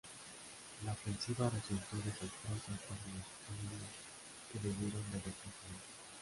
La ofensiva resultó desastrosa para los helenos, que debieron de retroceder.